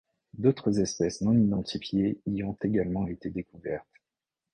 D'autres espèces non identifiées y ont également été découvertes.